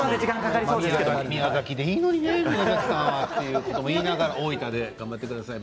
宮崎でいいのにねということを言いながら大分で頑張ってください。